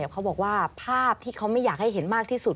เขาบอกว่าภาพที่เขาไม่อยากให้เห็นมากที่สุด